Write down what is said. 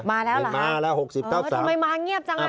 มาแล้วเหรอครับทำไมมาเงียบจังน่ะมาแล้ว๖๐ทับ๓